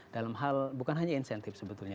dalam hal bukan hanya insentif sebetulnya